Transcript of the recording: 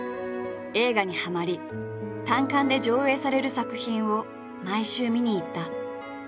映画にはまり単館で上映される作品を毎週見に行った。